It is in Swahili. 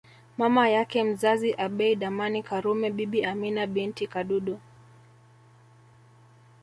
Mama yake mzazi Abeid Amani Karume Bibi Amina binti Kadudu